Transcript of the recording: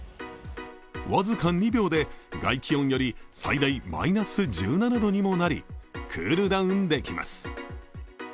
僅か２秒で外気温より最大マイナス１７度にもなりクールダウンできます。